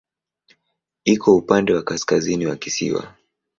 Iko upande wa kaskazini wa kisiwa.